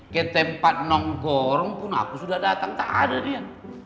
ke tempat nonggorong pun aku sudah datang tak ada dia